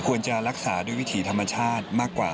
ควรจะรักษาด้วยวิถีธรรมชาติมากกว่า